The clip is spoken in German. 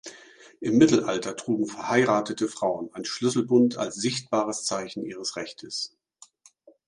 Im Mittelalter trugen verheiratete Frauen einen Schlüsselbund als sichtbares Zeichen ihres Rechtes.